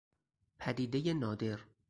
پدیدهی نادر